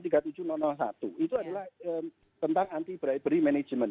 itu adalah tentang anti bribery management